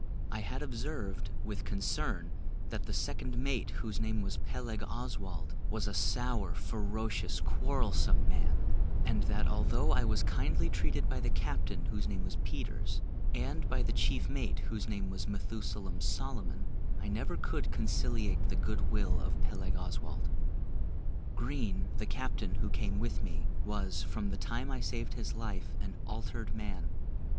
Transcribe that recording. I had observed, with concern, that the second mate, whose name was Peleg Oswald, was a sour, ferocious, quarrelsome man; and that although I was kindly treated by the captain, whose name was Peters, and by the chief mate, whose name was Methusalem Solomon, I never could conciliate the good will of Peleg Oswald. Green, the captain, who came with me, was, from the time I saved his life, an altered man.